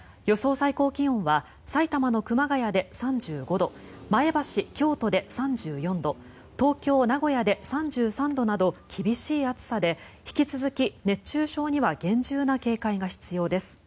最高気温は埼玉の熊谷で３５度前橋、京都で３４度東京、名古屋で３３度など厳しい暑さで引き続き熱中症には厳重な警戒が必要です。